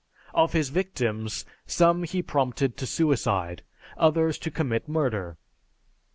Of his victims, some he prompted to suicide, others to commit murder.